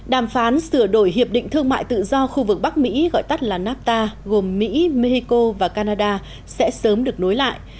đàm phán sửa đổi hiệp định thương mại tự do khu vực bắc mỹ gọi tắt là nafta gồm mỹ mexico và canada sẽ sớm được nối lại